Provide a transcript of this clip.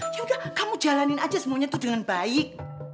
yaudah kamu jalanin aja semuanya tuh dengan baik